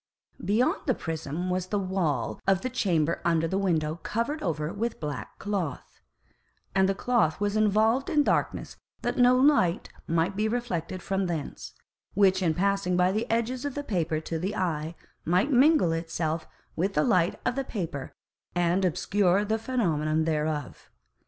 Beyond the Prism was the Wall of the Chamber under the Window covered over with black Cloth, and the Cloth was involved in Darkness that no Light might be reflected from thence, which in passing by the Edges of the Paper to the Eye, might mingle itself with the Light of the Paper, and obscure the Phænomenon thereof.